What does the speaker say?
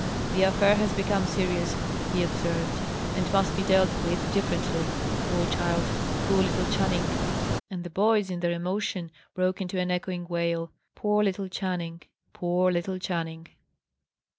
"The affair has become serious," he observed, "and must be dealt with differently. Poor child! Poor little Channing!" And the boys, in their emotion, broke into an echoing wail. "Poor little Channing! poor little Channing!"